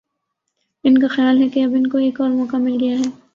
ان کا خیال ہے کہ اب ان کو ایک اور موقع مل گیا ہے۔